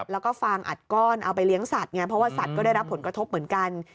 แล้วก็ฟางอัดก้อนเอาไปเลี้ยงสัตว์ไงเพราะว่าสัตว์ก็ได้รับผลกระทบเหมือนกัน